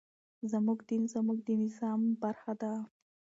زموږ دين زموږ د نظام برخه ده.